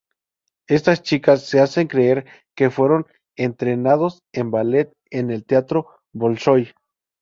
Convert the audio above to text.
Estas chicas se hacen creer que fueron entrenados en ballet en el Teatro Bolshoi.